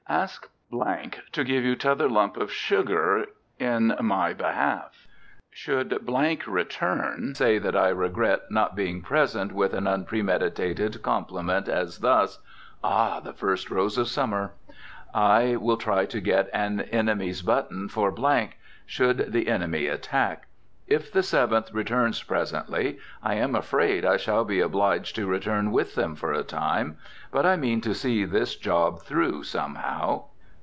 Ask to give you t'other lump of sugar in my behalf.... Should return, say that I regret not being present with an unpremeditated compliment, as thus, 'Ah! the first rose of summer!'.... I will try to get an enemy's button for , should the enemy attack. If the Seventh returns presently, I am afraid I shall be obliged to return with them for a time. But I mean to see this job through, somehow."